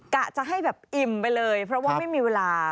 กะจะให้แบบอิ่มไปเลยเพราะว่าไม่มีเวลา